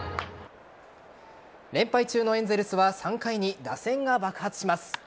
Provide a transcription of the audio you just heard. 連敗中のエンゼルスは３回に打線が爆発します。